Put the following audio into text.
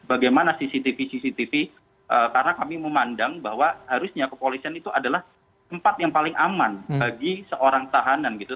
bagaimana cctv cctv karena kami memandang bahwa harusnya kepolisian itu adalah tempat yang paling aman bagi seorang tahanan gitu